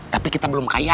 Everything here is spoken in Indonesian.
tapi kita belum kaya